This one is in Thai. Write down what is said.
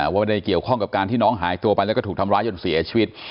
ว่าไม่ได้เกี่ยวข้องกับการที่น้องหายตัวไปแล้วก็ถูกทำร้ายจนเสียชีวิต